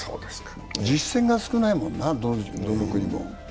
実戦が少ないもんな、どの国も。